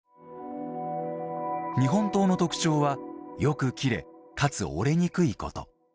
日本刀の特徴はよく切れ、かつ折れにくいこと。